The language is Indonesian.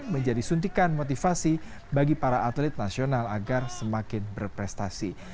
menjadi suntikan motivasi bagi para atlet nasional agar semakin berprestasi